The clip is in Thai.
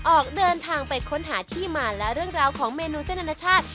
ออกเดินทางไปค้นหาที่มาและเรื่องราวของเมนูเส้นอนาชาติ